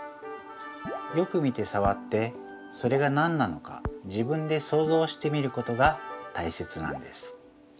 よく見てさわってそれが何なのか自分でそうぞうしてみることがたいせつなんです。